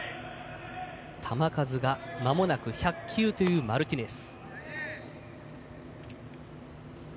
球数がまもなく１００球というマルティネス。